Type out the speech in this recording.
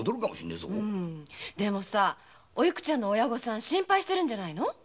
でもおいくちゃんのご両親心配してんじゃないの？